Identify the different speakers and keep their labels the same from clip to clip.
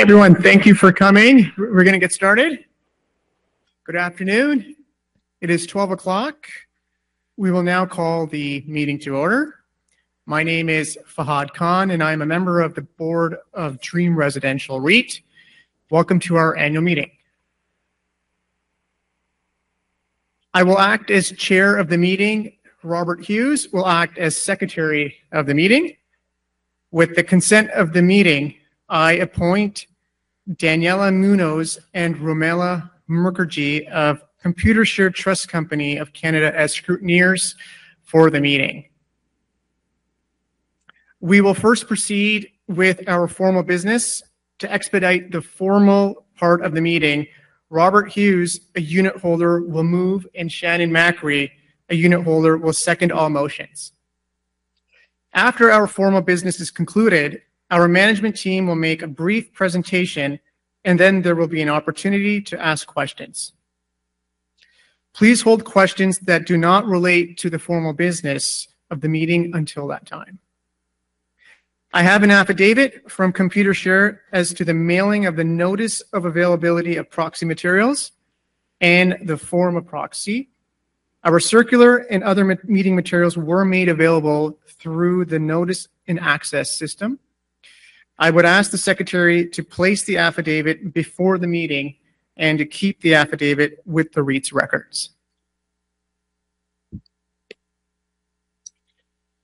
Speaker 1: Hey, everyone. Thank you for coming. We're, we're gonna get started. Good afternoon. It is 12:00 P.M. We will now call the meeting to order. My name is Fahad Khan, and I'm a member of the board of Dream Residential REIT. Welcome to our annual meeting. I will act as chair of the meeting. Robert Hughes will act as secretary of the meeting. With the consent of the meeting, I appoint Daniela Munoz and Romella Mukherjee of Computershare Trust Company of Canada as scrutineers for the meeting. We will first proceed with our formal business. To expedite the formal part of the meeting, Robert Hughes, a unitholder, will move, and Shannon Macri, a unitholder, will second all motions. After our formal business is concluded, our management team will make a brief presentation, and then there will be an opportunity to ask questions. Please hold questions that do not relate to the formal business of the meeting until that time. I have an affidavit from Computershare as to the mailing of the notice of availability of proxy materials and the form of proxy. Our circular and other meeting materials were made available through the notice and access system. I would ask the secretary to place the affidavit before the meeting and to keep the affidavit with the REIT's records.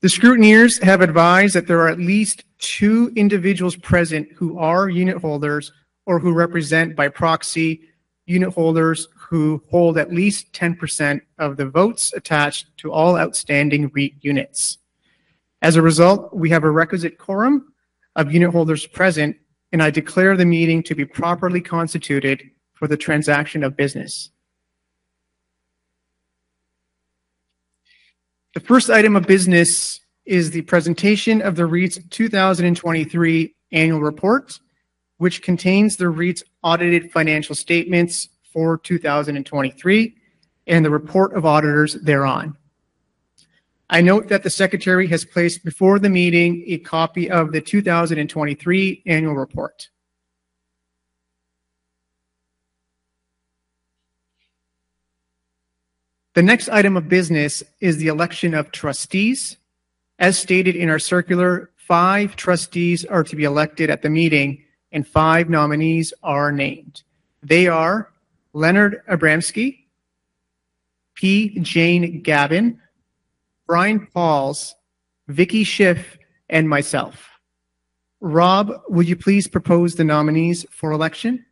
Speaker 1: The scrutineers have advised that there are at least two individuals present who are unitholders or who represent by proxy unitholders who hold at least 10% of the votes attached to all outstanding REIT units. As a result, we have a requisite quorum of unitholders present, and I declare the meeting to be properly constituted for the transaction of business. The first item of business is the presentation of the REIT's 2023 annual report, which contains the REIT's audited financial statements for 2023 and the report of auditors thereon. I note that the secretary has placed before the meeting a copy of the 2023 annual report. The next item of business is the election of trustees. As stated in our circular, five trustees are to be elected at the meeting, and five nominees are named. They are Leonard Abramsky, P. Jane Gavan, Brian Pauls, Vicky Schiff, and myself. Rob, would you please propose the nominees for election?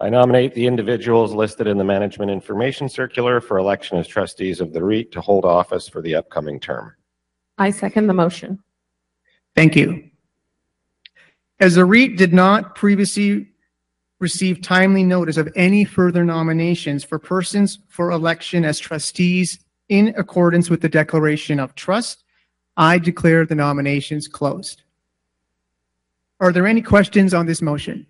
Speaker 2: I nominate the individuals listed in the management information circular for election as trustees of the REIT to hold office for the upcoming term. I second the motion.
Speaker 1: Thank you. As the REIT did not previously receive timely notice of any further nominations for persons for election as trustees in accordance with the declaration of trust, I declare the nominations closed. Are there any questions on this motion?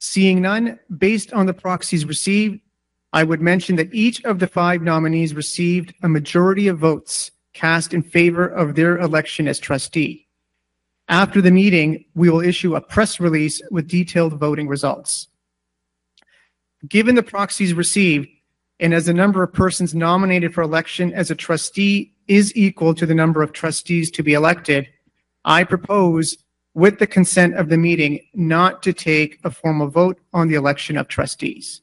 Speaker 1: Seeing none, based on the proxies received, I would mention that each of the five nominees received a majority of votes cast in favor of their election as trustee. After the meeting, we will issue a press release with detailed voting results. Given the proxies received, and as the number of persons nominated for election as a trustee is equal to the number of trustees to be elected, I propose, with the consent of the meeting, not to take a formal vote on the election of trustees.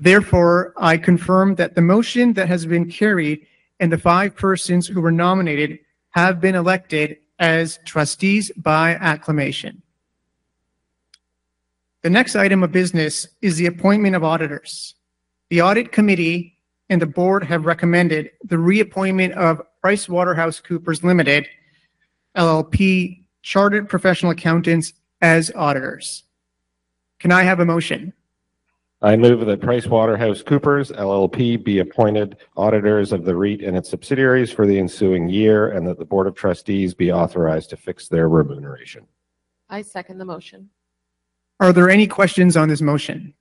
Speaker 1: Therefore, I confirm that the motion that has been carried and the five persons who were nominated have been elected as trustees by acclamation. The next item of business is the appointment of auditors. The audit committee and the board have recommended the reappointment of PricewaterhouseCoopers LLP, Chartered Professional Accountants, as auditors. Can I have a motion?
Speaker 2: I move that PricewaterhouseCoopers LLP be appointed auditors of the REIT and its subsidiaries for the ensuing year and that the board of trustees be authorized to fix their remuneration. I second the motion.
Speaker 1: Are there any questions on this motion?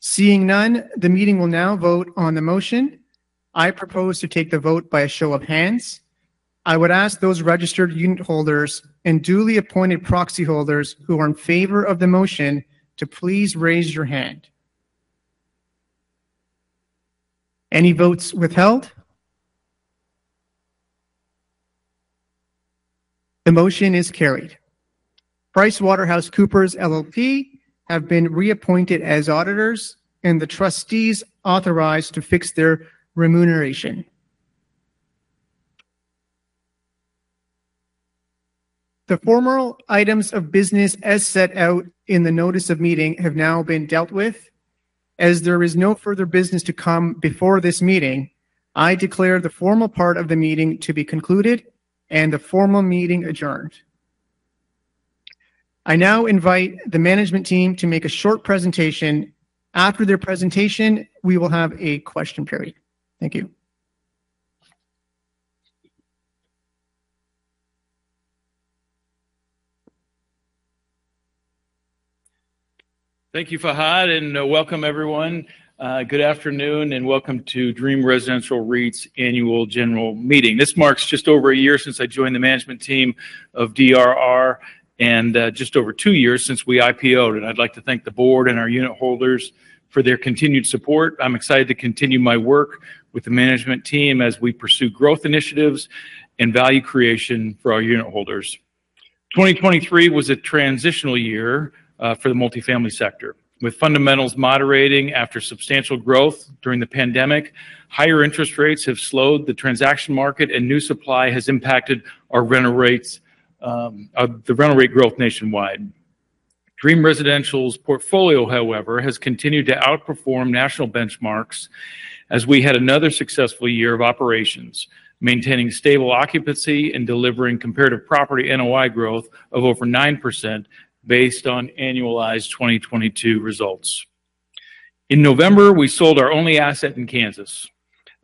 Speaker 1: Seeing none, the meeting will now vote on the motion. I propose to take the vote by a show of hands. I would ask those registered unitholders and duly appointed proxyholders who are in favor of the motion to please raise your hand. Any votes withheld? The motion is carried. PricewaterhouseCoopers LLP have been reappointed as auditors, and the trustees authorized to fix their remuneration. The formal items of business as set out in the notice of meeting have now been dealt with. As there is no further business to come before this meeting, I declare the formal part of the meeting to be concluded and the formal meeting adjourned. I now invite the management team to make a short presentation. After their presentation, we will have a question period. Thank you.
Speaker 3: Thank you, Fahad, and, welcome everyone. Good afternoon, and welcome to Dream Residential REIT's Annual General Meeting. This marks just over a year since I joined the management team of DRR, and, just over two years since we IPO'd. I'd like to thank the board and our unitholders for their continued support. I'm excited to continue my work with the management team as we pursue growth initiatives and value creation for our unitholders. 2023 was a transitional year, for the multifamily sector, with fundamentals moderating after substantial growth during the pandemic. Higher interest rates have slowed the transaction market, and new supply has impacted our rental rates, the rental rate growth nationwide. Dream Residential's portfolio, however, has continued to outperform national benchmarks as we had another successful year of operations, maintaining stable occupancy and delivering comparative property NOI growth of over 9% based on annualized 2022 results. In November, we sold our only asset in Kansas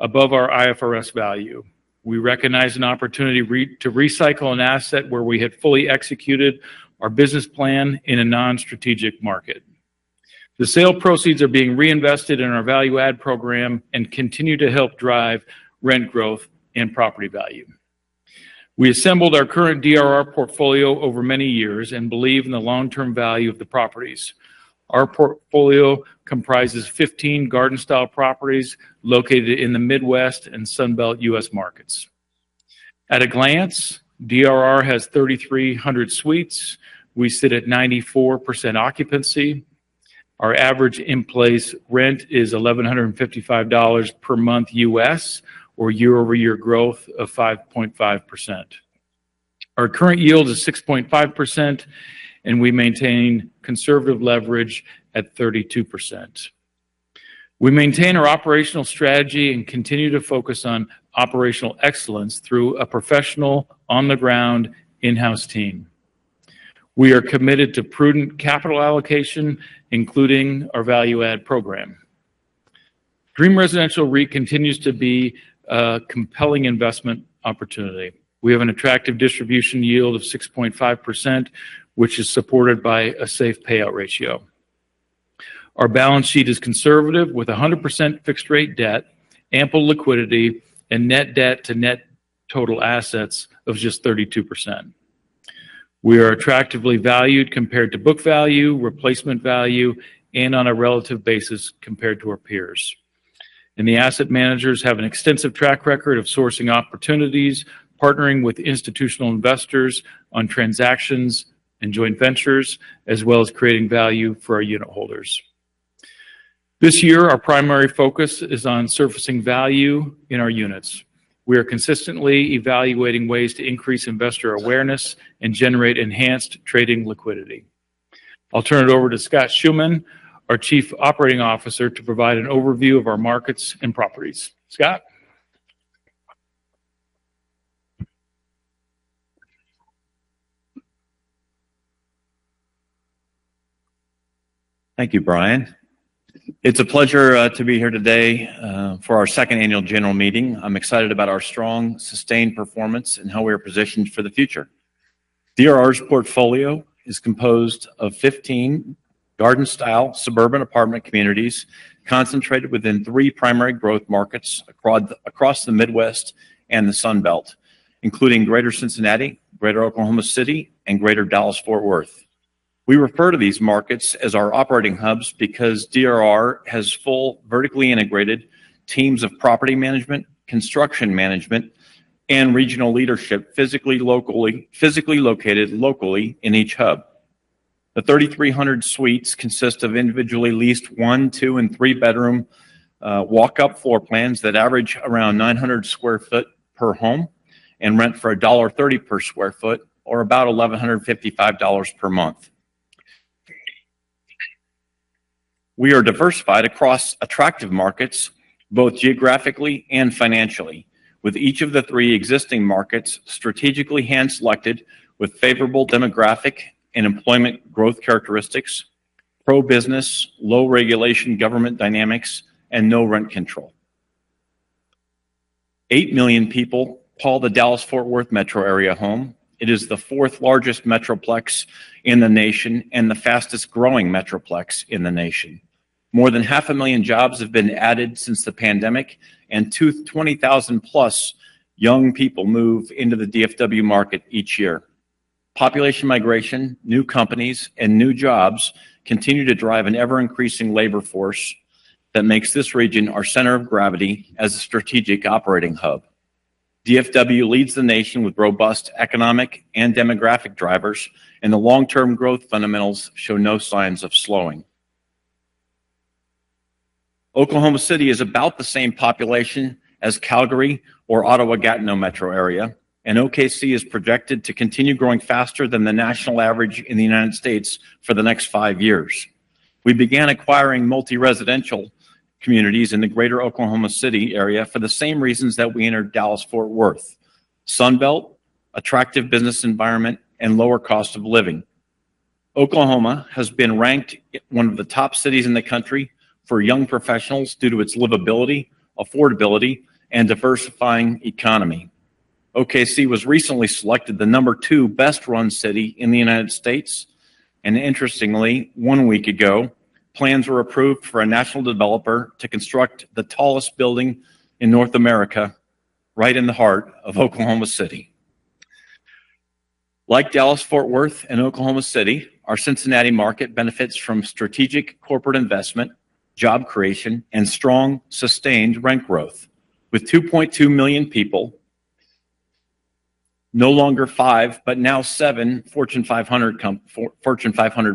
Speaker 3: above our IFRS value. We recognized an opportunity to recycle an asset where we had fully executed our business plan in a non-strategic market. The sale proceeds are being reinvested in our value-add program and continue to help drive rent growth and property value. We assembled our current DRR portfolio over many years and believe in the long-term value of the properties. Our portfolio comprises 15 garden-style properties located in the Midwest and Sun Belt U.S. markets. At a glance, DRR has 3,300 suites. We sit at 94% occupancy. Our average in-place rent is $1,155 per month, or year-over-year growth of 5.5%. Our current yield is 6.5%, and we maintain conservative leverage at 32%. We maintain our operational strategy and continue to focus on operational excellence through a professional on-the-ground, in-house team. We are committed to prudent capital allocation, including our value-add program. Dream Residential REIT continues to be a compelling investment opportunity. We have an attractive distribution yield of 6.5%, which is supported by a safe payout ratio. Our balance sheet is conservative, with 100% fixed rate debt, ample liquidity, and net debt to net total assets of just 32%. We are attractively valued compared to book value, replacement value, and on a relative basis compared to our peers. The asset managers have an extensive track record of sourcing opportunities, partnering with institutional investors on transactions and joint ventures, as well as creating value for our unitholders. This year, our primary focus is on surfacing value in our units. We are consistently evaluating ways to increase investor awareness and generate enhanced trading liquidity. I'll turn it over to Scott Schoeman, our Chief Operating Officer, to provide an overview of our markets and properties. Scott?
Speaker 4: Thank you, Brian. It's a pleasure to be here today for our second annual general meeting. I'm excited about our strong, sustained performance and how we are positioned for the future. DRR's portfolio is composed of 15 garden-style suburban apartment communities concentrated within 3 primary growth markets across the Midwest and the Sun Belt, including Greater Cincinnati, Greater Oklahoma City, and Greater Dallas-Fort Worth. We refer to these markets as our operating hubs because DRR has full, vertically integrated teams of property management, construction management, and regional leadership, physically located locally in each hub. The 3,300 suites consist of individually leased one-, two-, and three-bedroom walk-up floor plans that average around 900 square feet per home and rent for $1.30 per square feet or about $1,155 per month. We are diversified across attractive markets, both geographically and financially, with each of the three existing markets strategically hand-selected with favorable demographic and employment growth characteristics, pro-business, low regulation government dynamics, and no rent control. 8 million people call the Dallas-Fort Worth metro area home. It is the fourth largest metroplex in the nation and the fastest-growing metroplex in the nation. More than 500,000 jobs have been added since the pandemic, and 220,000-plus young people move into the DFW market each year. Population migration, new companies, and new jobs continue to drive an ever-increasing labor force that makes this region our center of gravity as a strategic operating hub. DFW leads the nation with robust economic and demographic drivers, and the long-term growth fundamentals show no signs of slowing. Oklahoma City is about the same population as Calgary or Ottawa-Gatineau metro area, and OKC is projected to continue growing faster than the national average in the United States for the next 5 years. We began acquiring multi-residential communities in the greater Oklahoma City area for the same reasons that we entered Dallas-Fort Worth: Sun Belt, attractive business environment, and lower cost of living. Oklahoma has been ranked one of the top cities in the country for young professionals due to its livability, affordability, and diversifying economy. OKC was recently selected the number two best run city in the United States, and interestingly, one week ago, plans were approved for a national developer to construct the tallest building in North America, right in the heart of Oklahoma City. Like Dallas-Fort Worth and Oklahoma City, our Cincinnati market benefits from strategic corporate investment, job creation, and strong, sustained rent growth. With 2.2 million people, no longer five, but now seven Fortune 500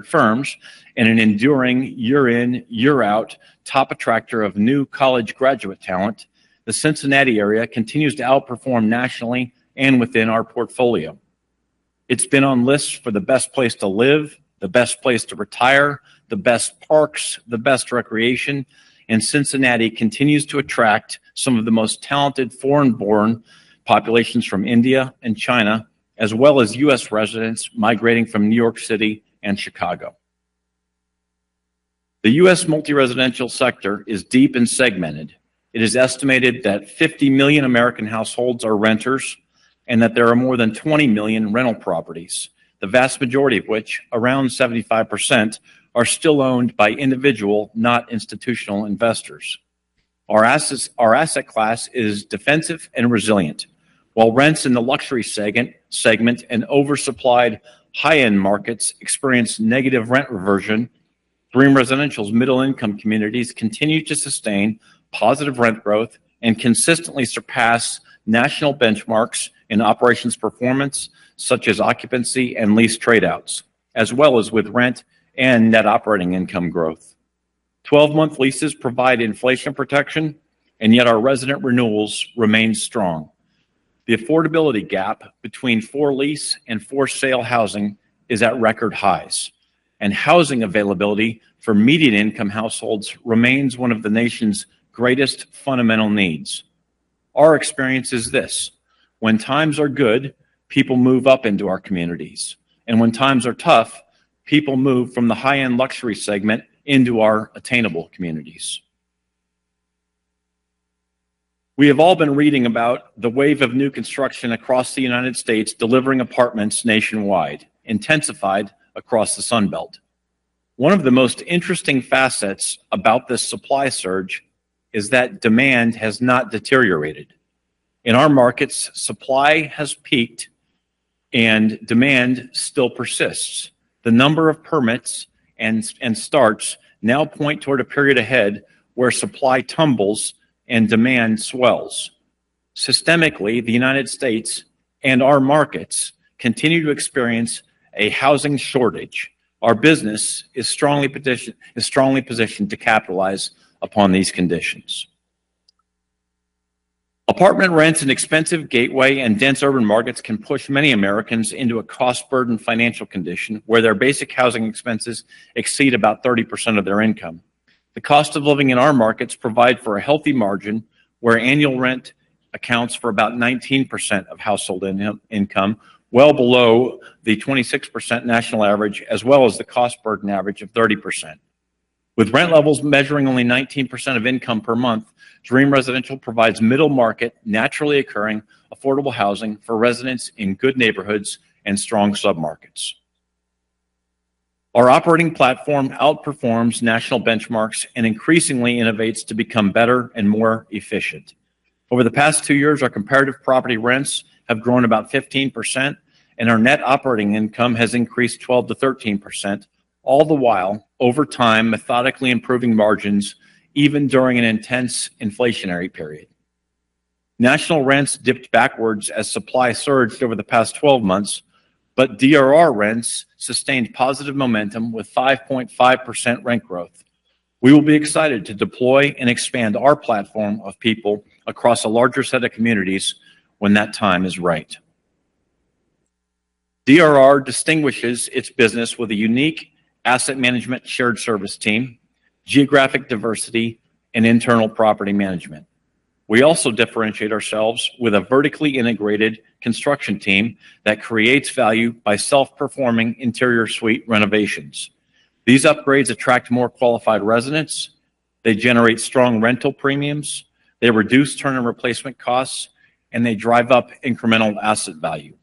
Speaker 4: firms, and an enduring year-in, year-out top attractor of new college graduate talent, the Cincinnati area continues to outperform nationally and within our portfolio. It's been on lists for the best place to live, the best place to retire, the best parks, the best recreation, and Cincinnati continues to attract some of the most talented foreign-born populations from India and China, as well as U.S. residents migrating from New York City and Chicago. The U.S. multi-residential sector is deep and segmented. It is estimated that 50 million American households are renters, and that there are more than 20 million rental properties, the vast majority of which, around 75%, are still owned by individual, not institutional investors. Our assets, our asset class is defensive and resilient. While rents in the luxury segment and oversupplied high-end markets experience negative rent reversion, Dream Residential's middle-income communities continue to sustain positive rent growth and consistently surpass national benchmarks in operations performance, such as occupancy and lease trade-outs, as well as with rent and net operating income growth. 12-month leases provide inflation protection, and yet our resident renewals remain strong. The affordability gap between for-lease and for-sale housing is at record highs, and housing availability for median income households remains one of the nation's greatest fundamental needs. Our experience is this: when times are good, people move up into our communities, and when times are tough, people move from the high-end luxury segment into our attainable communities. We have all been reading about the wave of new construction across the United States, delivering apartments nationwide, intensified across the Sun Belt. One of the most interesting facets about this supply surge is that demand has not deteriorated. In our markets, supply has peaked and demand still persists. The number of permits and starts now point toward a period ahead where supply tumbles and demand swells. Systemically, the United States and our markets continue to experience a housing shortage. Our business is strongly positioned to capitalize upon these conditions. Apartment rents in expensive gateway and dense urban markets can push many Americans into a cost-burdened financial condition, where their basic housing expenses exceed about 30% of their income. The cost of living in our markets provide for a healthy margin, where annual rent accounts for about 19% of household income, well below the 26% national average, as well as the cost burden average of 30%. With rent levels measuring only 19% of income per month, Dream Residential provides middle-market, naturally occurring, affordable housing for residents in good neighborhoods and strong submarkets. Our operating platform outperforms national benchmarks and increasingly innovates to become better and more efficient. Over the past two years, our comparative property rents have grown about 15%, and our net operating income has increased 12%-13%, all the while, over time, methodically improving margins, even during an intense inflationary period. National rents dipped backwards as supply surged over the past 12 months, but DRR rents sustained positive momentum with 5.5% rent growth. We will be excited to deploy and expand our platform of people across a larger set of communities when that time is right. DRR distinguishes its business with a unique asset management shared service team, geographic diversity, and internal property management. We also differentiate ourselves with a vertically integrated construction team that creates value by self-performing interior suite renovations. These upgrades attract more qualified residents, they generate strong rental premiums, they reduce turn and replacement costs, and they drive up incremental asset value.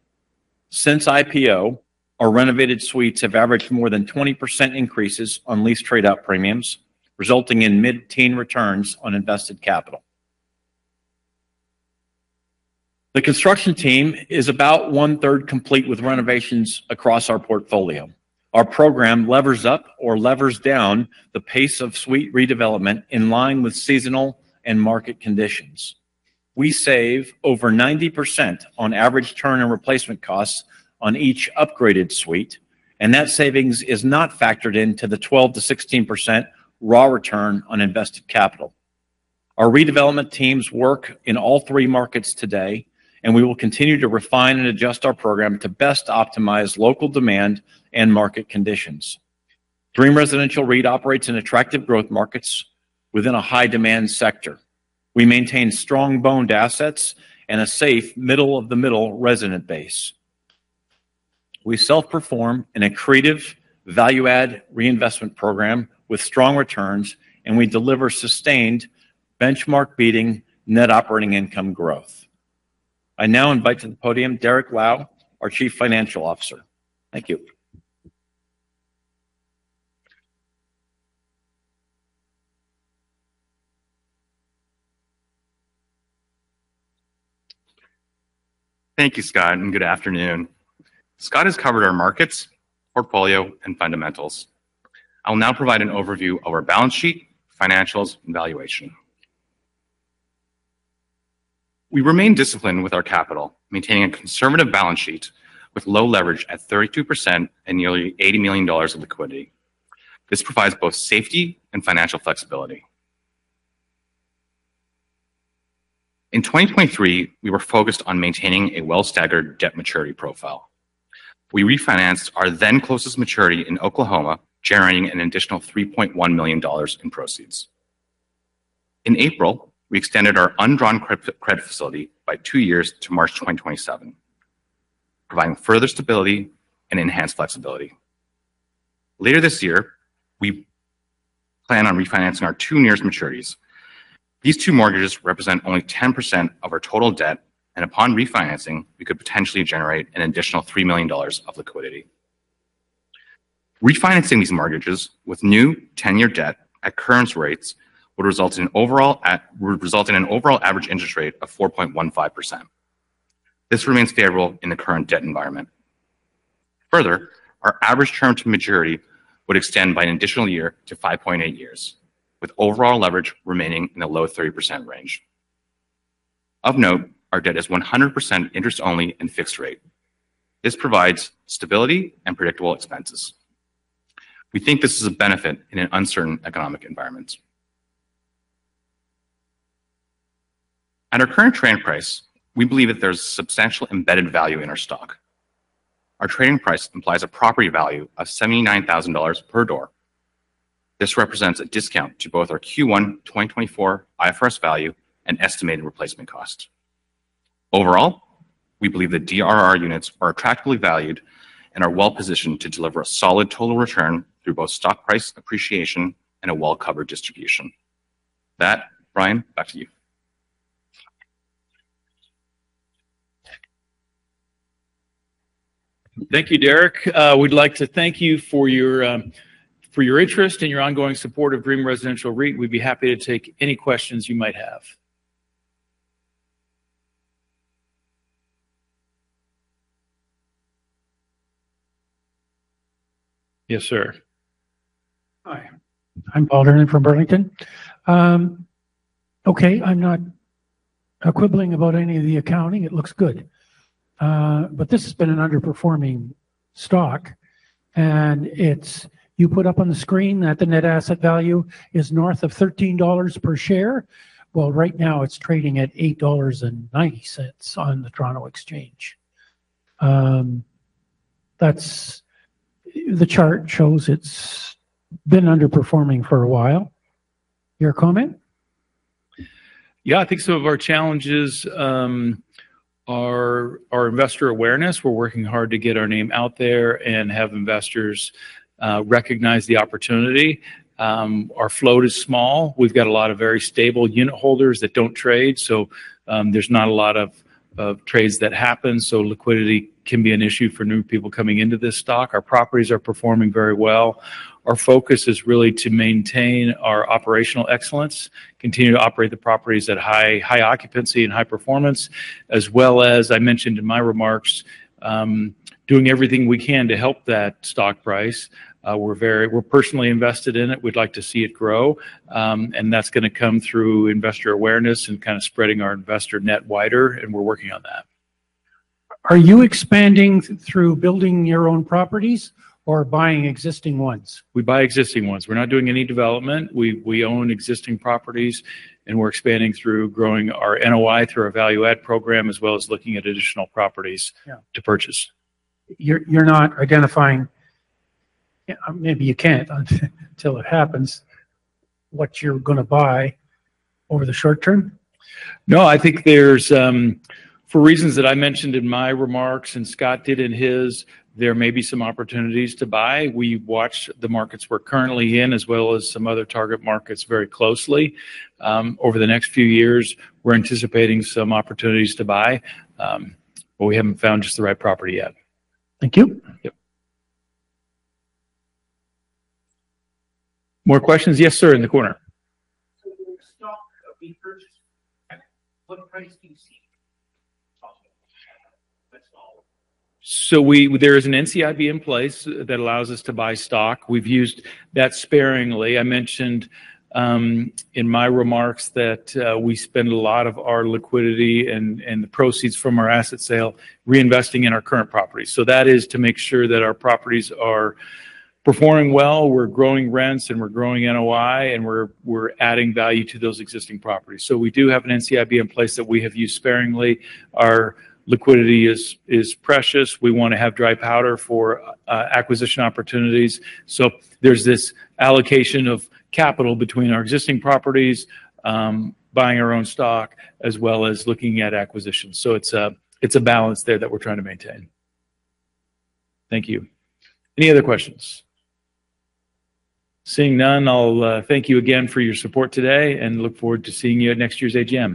Speaker 4: Since IPO, our renovated suites have averaged more than 20% increases on lease trade-out premiums, resulting in mid-teen returns on invested capital. The construction team is about 1/3 complete with renovations across our portfolio. Our program levers up or levers down the pace of suite redevelopment in line with seasonal and market conditions. We save over 90% on average turn and replacement costs on each upgraded suite, and that savings is not factored into the 12%-16% raw return on invested capital. Our redevelopment teams work in all three markets today, and we will continue to refine and adjust our program to best optimize local demand and market conditions. Dream Residential REIT operates in attractive growth markets within a high-demand sector. We maintain strong owned assets and a safe, middle-of-the-middle resident base. We self-perform in a creative, value-add reinvestment program with strong returns, and we deliver sustained benchmark-beating net operating income growth. I now invite to the podium, Derrick Lau, our Chief Financial Officer. Thank you.
Speaker 5: Thank you, Scott, and good afternoon. Scott has covered our markets, portfolio, and fundamentals. I'll now provide an overview of our balance sheet, financials, and valuation. We remain disciplined with our capital, maintaining a conservative balance sheet with low leverage at 32% and nearly $80 million in liquidity. This provides both safety and financial flexibility. In 2023, we were focused on maintaining a well-staggered debt maturity profile. We refinanced our then closest maturity in Oklahoma, generating an additional $3.1 million in proceeds. In April, we extended our undrawn credit facility by 2 years to March 2027, providing further stability and enhanced flexibility. Later this year, we plan on refinancing our two nearest maturities. These two mortgages represent only 10% of our total debt, and upon refinancing, we could potentially generate an additional $3 million of liquidity. Refinancing these mortgages with new 10 year debt at current rates would result in an overall average interest rate of 4.15%. This remains favorable in the current debt environment. Further, our average term to maturity would extend by an additional year to 5.8 years, with overall leverage remaining in the low 30% range. Of note, our debt is 100% interest-only and fixed rate. This provides stability and predictable expenses. We think this is a benefit in an uncertain economic environment. At our current trading price, we believe that there's substantial embedded value in our stock. Our trading price implies a property value of $79,000 per door. This represents a discount to both our Q1 2024 IFRS value and estimated replacement cost. Overall, we believe that DRR units are attractively valued and are well-positioned to deliver a solid total return through both stock price appreciation and a well-covered distribution. With that, Brian, back to you.
Speaker 3: Thank you, Derrick. We'd like to thank you for your interest and your ongoing support of Dream Residential REIT. We'd be happy to take any questions you might have. Yes, sir.
Speaker 6: Hi, I'm Paul Hernan from Burlington. Okay, I'm not quibbling about any of the accounting. It looks good. But this has been an underperforming stock, and it's - you put up on the screen that the net asset value is north of 13 dollars per share. Well, right now, it's trading at 8.90 dollars on the Toronto Exchange. That's the chart shows it's been underperforming for a while. Your comment?
Speaker 3: Yeah, I think some of our challenges are investor awareness. We're working hard to get our name out there and have investors recognize the opportunity. Our float is small. We've got a lot of very stable unitholders that don't trade, so there's not a lot of trades that happen, so liquidity can be an issue for new people coming into this stock. Our properties are performing very well. Our focus is really to maintain our operational excellence, continue to operate the properties at high occupancy and high performance, as well as I mentioned in my remarks, doing everything we can to help that stock price. We're personally invested in it. We'd like to see it grow, and that's gonna come through investor awareness and kind of spreading our investor net wider, and we're working on that.
Speaker 6: Are you expanding through building your own properties or buying existing ones?
Speaker 3: We buy existing ones. We're not doing any development. We own existing properties, and we're expanding through growing our NOI through our value-add program, as well as looking at additional properties.
Speaker 6: Yeah.
Speaker 3: To purchase.
Speaker 6: You're not identifying, maybe you can't until it happens, what you're gonna buy over the short term?
Speaker 3: No, I think there's for reasons that I mentioned in my remarks and Scott did in his, there may be some opportunities to buy. We watch the markets we're currently in, as well as some other target markets, very closely. Over the next few years, we're anticipating some opportunities to buy, but we haven't found just the right property yet.
Speaker 6: Thank you.
Speaker 3: Yep. More questions? Yes, sir, in the corner.
Speaker 7: When stock repurchased, what price do you see? That's all.
Speaker 3: So, there is an NCIB in place that allows us to buy stock. We've used that sparingly. I mentioned in my remarks that we spend a lot of our liquidity and the proceeds from our asset sale reinvesting in our current property. So that is to make sure that our properties are performing well, we're growing rents, and we're growing NOI, and we're adding value to those existing properties. So we do have an NCIB in place that we have used sparingly. Our liquidity is precious. We wanna have dry powder for acquisition opportunities. So there's this allocation of capital between our existing properties, buying our own stock, as well as looking at acquisitions. So it's a balance there that we're trying to maintain. Thank you. Any other questions? Seeing none, I'll thank you again for your support today and look forward to seeing you at next year's AGM.